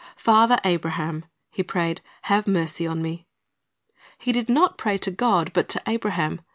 "Father Abraham," he prayed, "have mercy on me." He did not pray to God, but to Abraham.